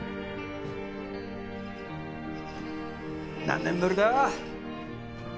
何年ぶりだ？